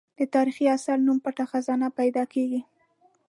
د تاریخي اثر نوم پټه خزانه پیدا کېږي.